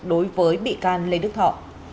đối với bị can lê đức thọ